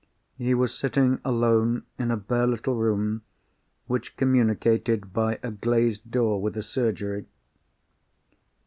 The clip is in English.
He was sitting alone in a bare little room, which communicated by a glazed door with a surgery.